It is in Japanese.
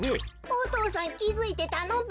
お父さんきづいてたのべ。